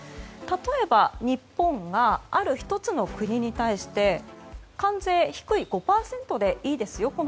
例えば、日本がある１つの国に対して関税低い５％でいいですよ